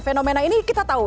fenomena ini kita tahu